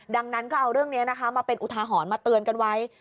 ดังนั้นก็เอาเรื่องนี้นะคะมาเป็นอุทาหรณ์มาเตือนกันไว้